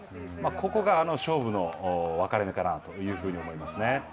ここが勝負の分かれ目かなというふうに思いますね。